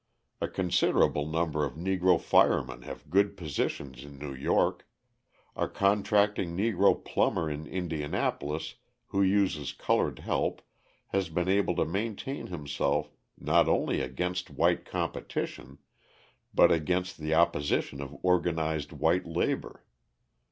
A considerable number of Negro firemen have good positions in New York, a contracting Negro plumber in Indianapolis who uses coloured help has been able to maintain himself, not only against white competition, but against the opposition of organised white labour.